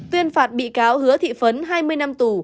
tuyên phạt bị cáo hứa thị phấn hai mươi năm tù